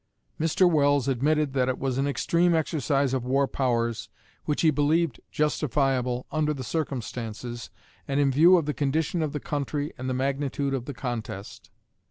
Mr. Welles admitted that it was "an extreme exercise of war powers" which he believed justifiable "under the circumstances, and in view of the condition of the country and the magnitude of the contest.